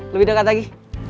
lebih dekat lagi